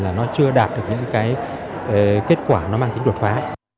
là nó chưa đạt được những cái kết quả nó mang tính đột phá